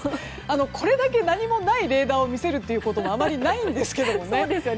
これだけ何もないレーダーを見せることもあまりないんですが。